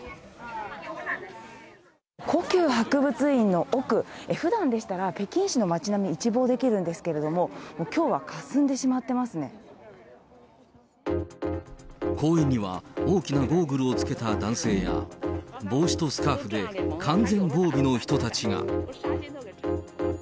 故宮博物院の奥、ふだんでしたら、北京市の街並み、一望できるんですけども、きょう公園には、大きなゴーグルをつけた男性や、帽子とスカーフで完全防備の人たちが。